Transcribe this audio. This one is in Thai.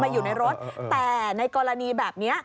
อยู่ในรถแต่ในกรณีแบบนี้